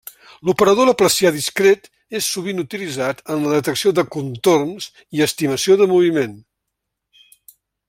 L'operador laplacià discret és sovint utilitzat en la detecció de contorns i estimació de moviment.